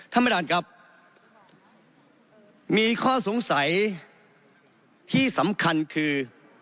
ธรรมดานครับมีข้อสงสัยที่สำคัญคือ